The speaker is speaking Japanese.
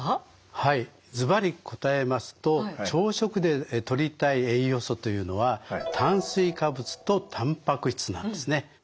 はいずばり答えますと朝食でとりたい栄養素というのは炭水化物とたんぱく質なんですね。